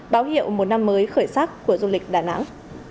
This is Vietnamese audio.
báo hiệu một năm mới khởi sắc của du lịch đà nẵng